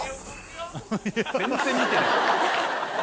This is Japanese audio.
全然見てない。